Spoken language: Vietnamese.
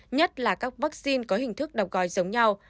nhất là các vaccine có hiệu quả